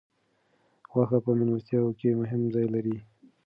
غوښه په میلمستیاوو کې مهم ځای لري.